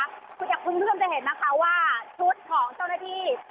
คุณเอกพึ่งเพิ่มจะเห็นนะคะว่าชุดของเจ้าหน้าที่